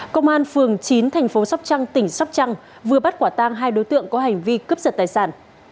công an phường chín thành phố sóc trăng tỉnh sóc trăng vừa bắt quả tang hai đối tượng có hành vi cướp giật tài sản